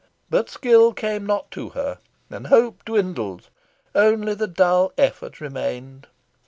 But skill came not to her, and hope dwindled; only the dull effort remained.